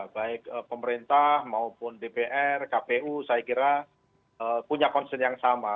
baik pemerintah maupun dpr kpu saya kira punya concern yang sama